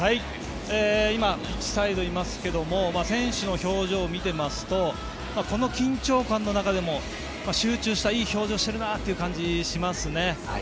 ピッチサイドにいますが選手の表情を見ていますとこの緊張感の中でも、集中したいい表情をしているなという感じがしますね。